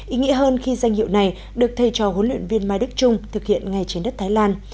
ý nghĩa hơn khi danh hiệu này được thay cho huấn luyện viên mai đức trung thực hiện ngay trên đất thái lan